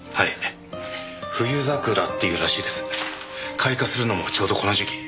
開花するのもちょうどこの時期。